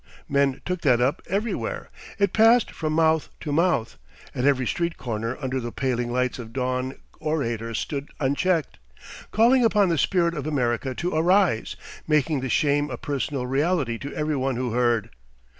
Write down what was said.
Men took that up everywhere, it passed from mouth to mouth, at every street corner under the paling lights of dawn orators stood unchecked, calling upon the spirit of America to arise, making the shame a personal reality to every one who heard.